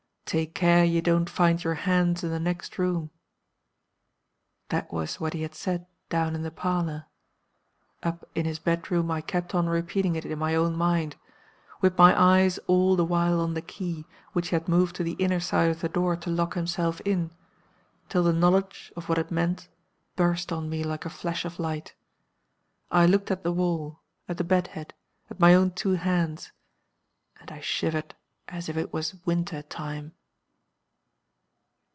'Take care you don't find your hands in the next room.' That was what he had said down in the parlor. Up in his bedroom I kept on repeating it in my own mind with my eyes all the while on the key, which he had moved to the inner side of the door to lock himself in till the knowledge of what it meant burst on me like a flash of light. I looked at the wall, at the bedhead, at my own two hands and I shivered as if it was winter time.